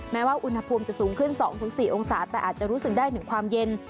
แม้ว่าอุณหภูมิจะสูงขึ้น๒๔องศาแต่อาจจะรู้สึกได้ถึงความเย็น